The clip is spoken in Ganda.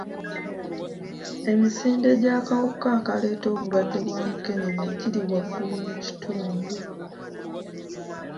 Emisinde gy'akawuka akaleeta obulwadde bwa mukenenya giri waggulu mu kitundu.